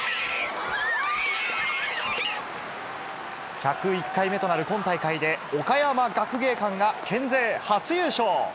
１０１回目となる今大会で、岡山学芸館が県勢初優勝。